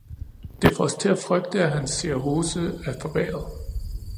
Det får os til at frygte, at hans cirrhose er forværret.